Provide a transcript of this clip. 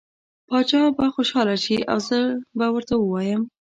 باچا به خوشحاله شي او زه به ورته ووایم.